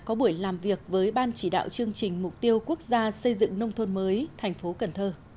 có buổi làm việc với ban chỉ đạo chương trình mục tiêu quốc gia xây dựng nông thôn mới tp cn